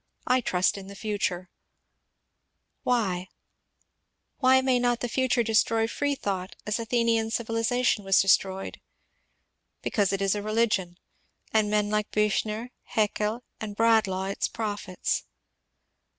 I trust in the future I " Why ? Why may not the future destroy freethought as Athenian civilization was destroyed ? Because it is a religion, and men like Bdchner, Haeckel, Bradlaugh its prophets.